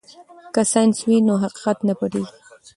که ساینس وي نو حقیقت نه پټیږي.